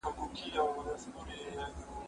لکه د خره په غوږ کي چي ياسين وائې.